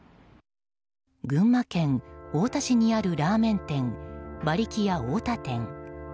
群馬県太田市にあるラーメン店ばりきや太田店。